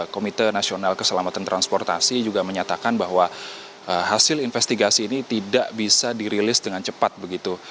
komite nasional keselamatan transportasi juga menyatakan bahwa hasil investigasi ini tidak bisa dirilis dengan cepat begitu